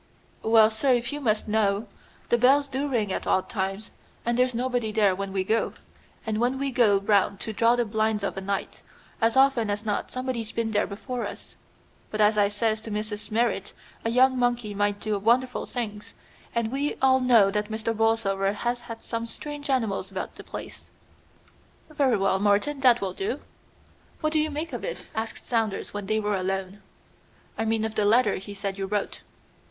"Well, sir, if you must know, the bells do ring at odd times, and there's nobody there when we go; and when we go round to draw the blinds of a night, as often as not somebody's been there before us. But as I says to Mrs. Merrit, a young monkey might do wonderful things, and we all know that Mr. Borlsover has had some strange animals about the place." "Very well, Morton, that will do." "What do you make of it?" asked Saunders when they were alone. "I mean of the letter he said you wrote."